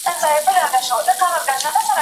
موږ باید د خپلو علمي کدرونو ستاینه وکړو.